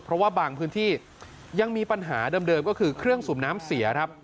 เพราะว่าบางพื้นที่ยังมีปัญหาเดิมก็คือเครื่องสูบน้ำเสียครับ